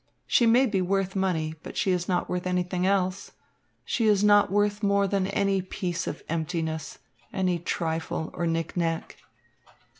She may be worth money, but she is not worth anything else. She is not worth more than any piece of emptiness, any trifle, or knickknack."